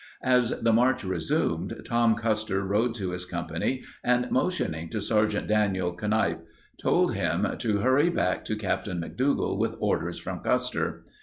As the march re sumed, Tom Custer rode to his company and, mo tioning to Sgt. Daniel Kanipe, told him to hurry back to Captain McDougall with orders from Custer.